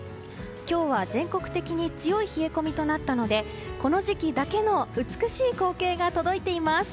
今日は全国的に強い冷え込みとなったのでこの時期だけの美しい光景が届いています。